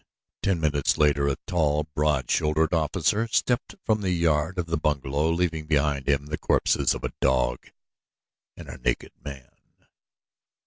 Ten minutes later a tall, broad shouldered officer stepped from the yard of the bungalow leaving behind him the corpses of a dog and a naked man.